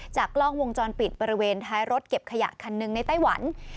กล้องวงจรปิดบริเวณท้ายรถเก็บขยะคันหนึ่งในไต้หวัน